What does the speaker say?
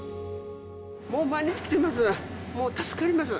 もう毎日来てます。